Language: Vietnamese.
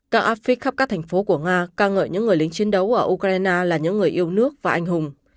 các affix khắp các thành phố của nga ca ngợi những người lính chiến đấu ở ukraine là những người yêu nước và anh hùng